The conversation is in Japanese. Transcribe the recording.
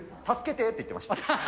助けてって言ってました。